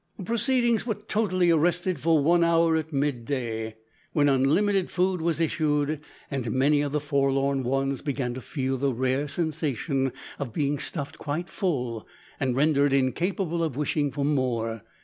The proceedings were totally arrested for one hour at mid day, when unlimited food was issued, and many of the forlorn ones began to feel the rare sensation of being stuffed quite full and rendered incapable of wishing for more!